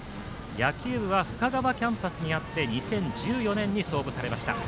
野球部は深川キャンバスにあって２０１４年に創部されました。